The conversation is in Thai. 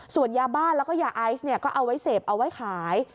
ส่วนยาบ้านแล้วก็ยาไอซ์ก็เอาไว้เสพเอาไว้ขาย